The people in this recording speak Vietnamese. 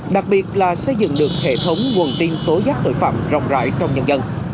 đặc biệt là xây dựng được hệ thống nguồn tin tố giác tội phạm rộng rãi trong nhân dân